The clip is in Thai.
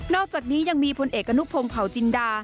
อกจากนี้ยังมีพลเอกอนุพงศ์เผาจินดา